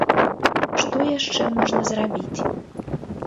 Што яшчэ можна зрабіць?